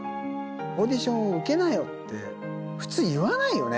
オーディションを受けなよって、普通言わないよね。